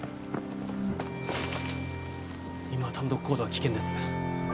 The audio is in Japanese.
今は単独行動は危険です